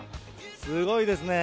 すごいですね。